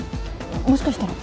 もしかしたら。